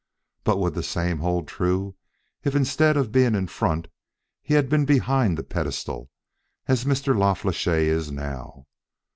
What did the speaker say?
But would the same hold true if instead of being in front he had been behind the pedestal, as Mr. La Flèche is now?